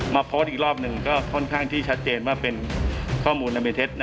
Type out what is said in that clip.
โพสต์อีกรอบหนึ่งก็ค่อนข้างที่ชัดเจนว่าเป็นข้อมูลอันเป็นเท็จ